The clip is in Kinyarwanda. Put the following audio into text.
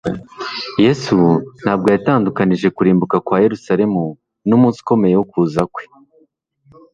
Yesu ntabwo yatandukanije kurimbuka kwa Yerusalemu n'umunsi ukomeye wo kuza kwe.